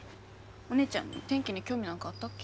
お姉ちゃん天気に興味なんかあったっけ？